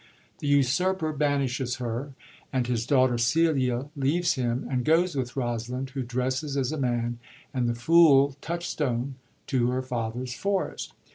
Tht usurper banishes her; and his daughter Celia leaves him and goes with Rosalind, who dresses as a man, and the fool Touchstone, to her father's forest.